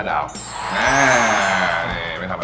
ตัวนี้เลยครับ